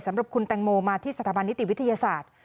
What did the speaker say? สำหรับคุณแตงโมมาที่สถาบันนิติวิทยาศาสตร์